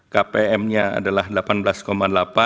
kpm nya adalah rp delapan belas delapan